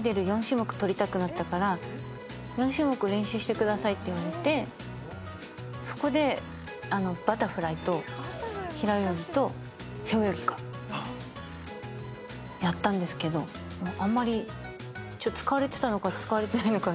４種目撮りたくなったから４種目練習してくださいって言われてそこでバタフライと平泳ぎと背泳ぎをやったんですけど、あまり使われてたのか使われてないのか。